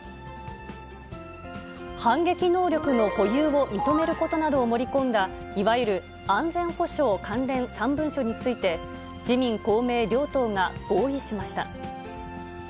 反撃能力の保有を認めることなどを盛り込んだ、いわゆる安全保障関連３文書について、自民、公明両党が合意しました。